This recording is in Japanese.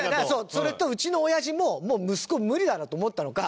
それとうちのおやじももう息子無理だなと思ったのか